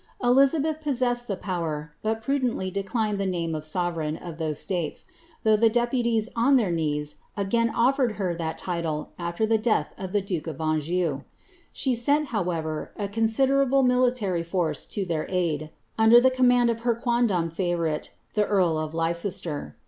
Elizabeth possessed the power, but prudently declined the name of sovereign of those elaiec, though the deputies on their knees again offered her that title after the death of the duke of Anjou, She sent, however, a considerable militaxy force to their aid, under the command of her quondam favourite, the eirl of Leicester.